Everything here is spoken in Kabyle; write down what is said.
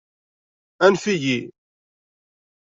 Anef-iyi.